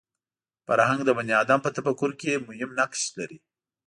فرهنګ د بني ادم په تفکر کې مهم نقش لري